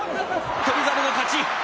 翔猿の勝ち。